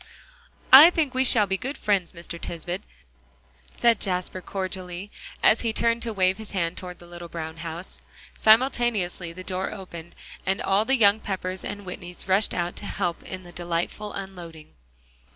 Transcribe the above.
"I think we shall be good friends, Mr. Tisbett," said Jasper cordially, as he turned to wave his hand toward the little brown house; simultaneously the door opened, and all the young Peppers and Whitneys rushed out to help in the delightful unloading.